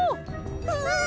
うん！